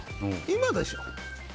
今でしょ！